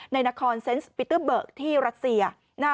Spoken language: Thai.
ในนครเซ็นซ์ปิตุ้เบอร์ที่รัสเซีย